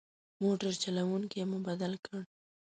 موټر چلوونکی مو بدل کړ.